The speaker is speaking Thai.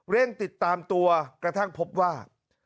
ติดตามตัวกระทั่งพบว่า